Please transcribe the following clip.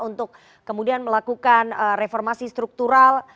untuk kemudian melakukan reformasi struktural